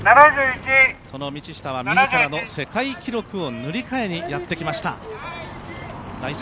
その道下は自らの世界記録を塗り替えにやってきました。